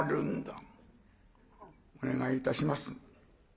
「お願いいたします。